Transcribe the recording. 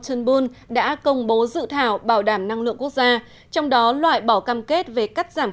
turnbul đã công bố dự thảo bảo đảm năng lượng quốc gia trong đó loại bỏ cam kết về cắt giảm